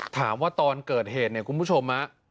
ตอนเกิดเหตุเนี่ยคุณผู้ชม